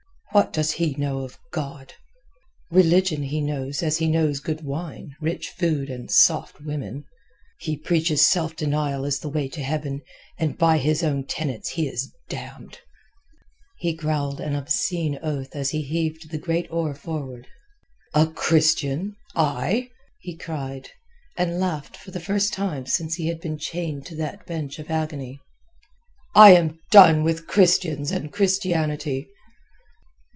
What does he know of God? Religion he knows as he knows good wine, rich food, and soft women. He preaches self denial as the way to heaven, and by his own tenets is he damned." He growled an obscene oath as he heaved the great oar forward. "A Christian I?" he cried, and laughed for the first time since he had been chained to that bench of agony. "I am done with Christians and Christianity!"